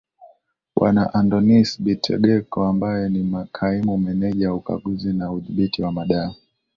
bwana andonis bitegeko ambaye ni kaimu meneja wa ukaguzi na udhibiti wa dawa